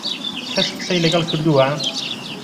کەس قسەی لەگەڵ کردووە؟